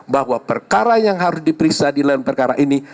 bahwa perkara yang harus diperiksa di lain perkara ini